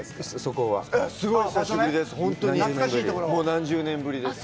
何十年ぶりです。